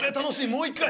もう一回？